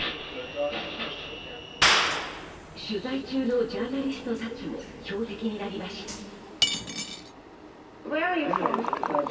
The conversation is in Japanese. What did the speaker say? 取材中のジャーナリストたちも標的になりました。